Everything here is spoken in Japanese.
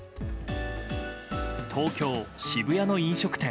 東京・渋谷の飲食店。